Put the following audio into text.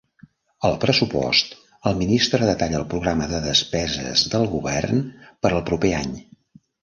Al pressupost, el ministre detalla el programa de despeses del govern per al proper any.